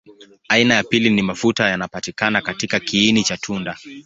Aina ya pili ni mafuta yanapatikana katika kiini cha tunda.